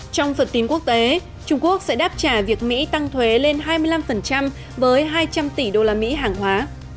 trong phần tin quốc tế trung quốc sẽ đáp trả việc mỹ tăng thuế lên hai mươi năm với hai trăm linh tỷ usd hàng hóa